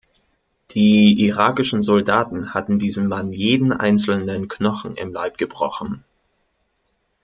Die irakischen Soldaten hatten diesem Mann jeden einzelnen Knochen im Leib gebrochen.